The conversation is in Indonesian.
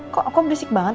kok berisik banget